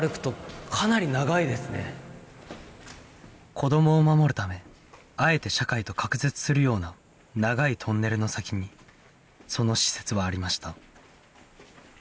子どもを守るためあえて社会と隔絶するような長いトンネルの先にその施設はありました